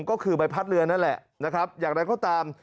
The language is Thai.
ก็คือใบพัดเปลือนนั่นแหละอยากได้ก็ตาม